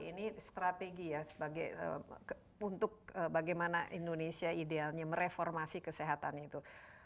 ini strategi ya untuk bagaimana indonesia idealnya mereformasi kesehatan itu